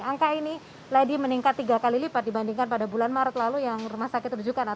angka ini lady meningkat tiga kali lipat dibandingkan pada bulan maret lalu yang rumah sakit rujukan